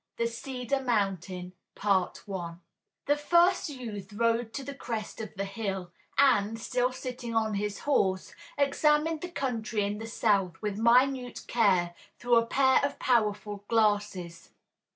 CEDAR MOUNTAIN The first youth rode to the crest of the hill, and, still sitting on his horse, examined the country in the south with minute care through a pair of powerful glasses.